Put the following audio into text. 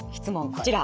こちら。